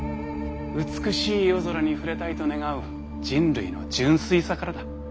美しい夜空に触れたいと願う人類の純粋さからだ。